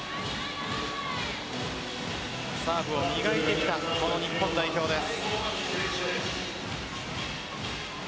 サーブを磨いてきた日本代表です。